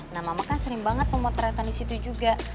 nah mama kan sering banget pemotretan disitu juga